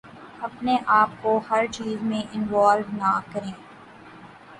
اپنے آپ کو ہر چیز میں انوالو نہ کریں